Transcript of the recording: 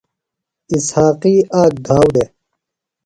اِسحاقی آک گھاؤ دےۡ۔